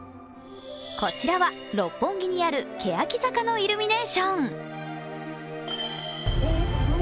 こちらは六本木にあるけやき坂のイルミネーション。